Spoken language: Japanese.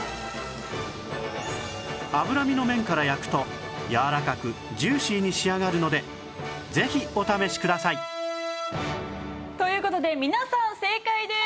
脂身の面から焼くとやわらかくジューシーに仕上がるのでぜひお試しくださいという事で皆さん正解です！